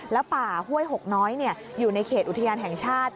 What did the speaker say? แล้วป่าห้วยหกน้อยอยู่ในเขตอุทยานแห่งชาติ